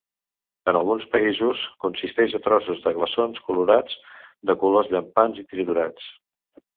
En alguns països consisteix a trossos de glaçons colorats de colors llampants i triturats.